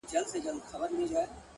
زما د تصور لاس گراني ستا پر ځــنگانـه;